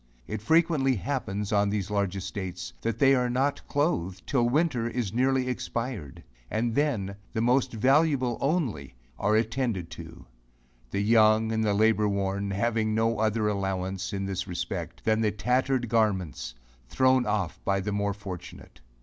It frequently happens, on these large estates, that they are not clothed, 'till winter is nearly expired; and then, the most valuable only are attended to; the young, and the labour worn, having no other allowance, in this respect, than the tattered garments, thrown off by the more fortunate.